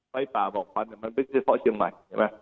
ไฟป่าบอกพันธุ์มันไม่ใช่เพราะเชียงใหม่